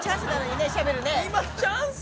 今チャンス。